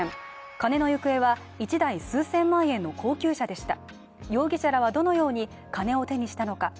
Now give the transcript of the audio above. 金の行方は１台数千円の高級車でした。